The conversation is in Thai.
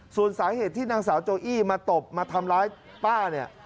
ส่วนสาเหตุที่นางสาวโจอี้มาตบมาทำร้ายป้าเนี่ย